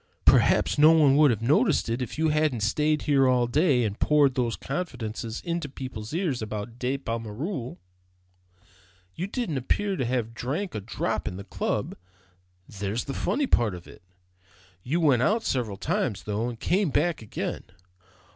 Perhaps no one would have noticed it if you hadn't stayed here all day, and poured those confidences into people's ears about De Pommereul. You didn't appear to have drank a drop in the club; there's the funny part of it. You went out several times, though, and came back again.